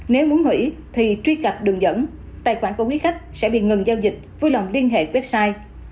nếu muốn hủy thì truy cập đường dẫn tài khoản của quý khách sẽ bị ngừng giao dịch vui lòng liên hệ website